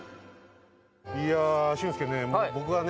いや俊介ね